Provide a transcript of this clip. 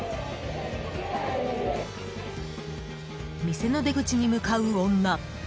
店の出口に向かう女。